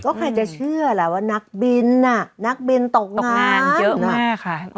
ก็ใครจะเชื่อแหละว่านักบินน่ะนักบินตกงานเยอะมากค่ะ